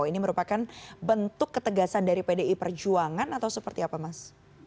ini merupakan bentuk ketegasan dari pdi perjuangan atau seperti apa mas